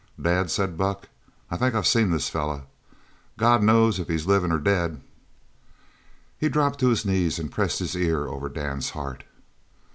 "Dad!" said Buck. "I think I've seen this feller. God knows if he's livin' or dead." He dropped to his knees and pressed his ear over Dan's heart.